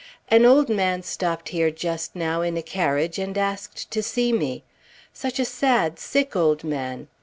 An old gentleman stopped here just now in a carriage and asked to see me. Such a sad, sick old man!